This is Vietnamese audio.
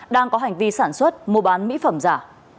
đang có hành vi sản xuất mua bán mỹ phẩm giả